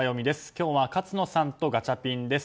今日は勝野さんとガチャピンです。